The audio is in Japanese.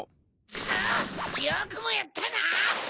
クッよくもやったな！